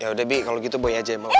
ya udah bi kalau gitu boy aja yang mau ya